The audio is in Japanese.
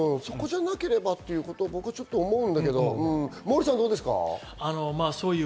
そこじゃなければということを僕は思うんだけど、モーリーさんどうですか？